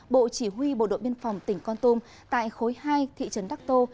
bộ chỉ huy bộ đội biên phòng tỉnh con tum tại khối hai thị trấn đắc tô